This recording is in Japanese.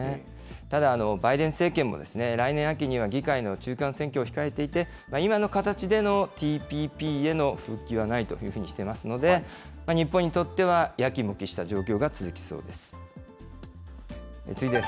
ただバイデン政権も、来年秋には議会の中間選挙を控えていて、今の形でのＴＰＰへの復帰はないというふうにしていますので、日本にとっては、やきもきした状況が続きそうです。